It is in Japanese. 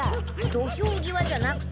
土俵際じゃなくて。